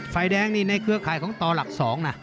ไฟแดงนี่ในเครือข่ายของต่อหลัก๒นะ